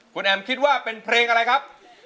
คุณแอมคิดว่าเป็นเพลงอะไรครับ